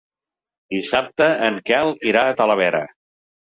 Dissabte en Quel irà a Talavera.